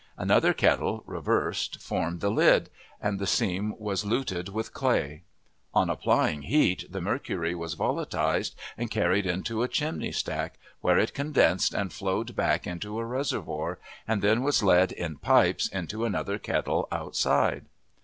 Another kettle, reversed, formed the lid, and the seam was luted with clay. On applying heat, the mercury was volatilized and carried into a chimney stack, where it condensed and flowed back into a reservoir, and then was led in pipes into another kettle outside.